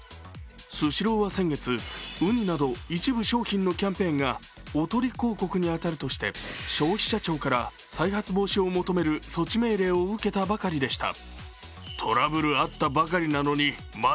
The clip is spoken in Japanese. スシローは先月、うになど一部商品のキャンペーンがおとり広告に当たるとして消費者庁から再発防止を求める措置命令を受けたばかりでした。